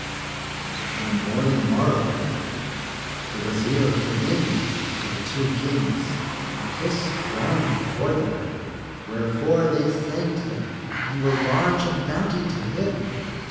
When morning morrowed, the Wazir came in to the two Kings and kissed ground before them; wherefore they thanked him and were large of bounty to him.